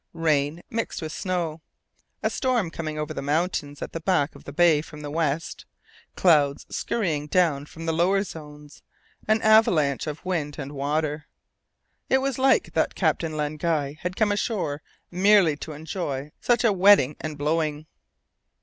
Rain, mixed with snow, a storm coming over the mountains at the back of the bay from the west, clouds scurrying down from the lower zones, an avalanche of wind and water. It was not likely that Captain Len Guy had come ashore merely to enjoy such a wetting and blowing.